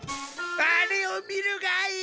あれを見るがいい！